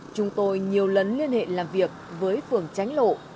chúng tôi nhiều lần liên hệ làm việc với phường tránh lộ